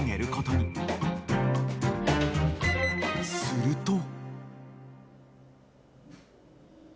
［すると］